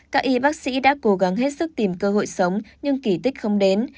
các y bác sĩ đã cố gắng hết sức tìm cơ hội sống nhưng kỳ tích không đến